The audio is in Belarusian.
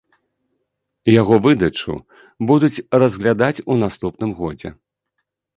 Яго выдачу будуць разглядаць у наступным годзе.